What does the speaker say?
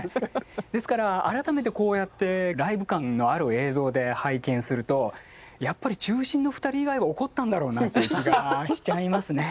ですから改めてこうやってライブ感のある映像で拝見するとやっぱり中心の２人以外は怒ったんだろうなっていう気がしちゃいますね。